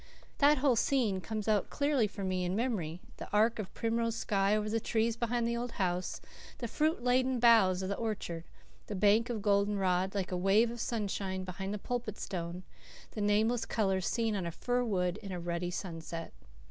That whole scene comes out clearly for me in memory the arc of primrose sky over the trees behind the old house, the fruit laden boughs of the orchard, the bank of golden rod, like a wave of sunshine, behind the Pulpit Stone, the nameless colour seen on a fir wood in a ruddy sunset.